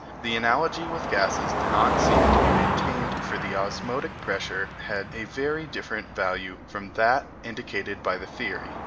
The analogy with gases did not seem to be maintained, for the osmotic pressure had a very different value from that indicated by the theory.